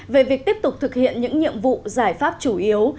về việc tiếp tục thực hiện những nhiệm vụ giải pháp chủ yếu